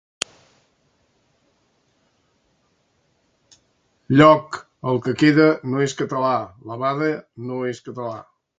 Lloc, que la bade!